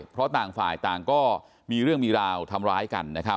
เพราะต่างฝ่ายต่างก็มีเรื่องมีราวทำร้ายกัน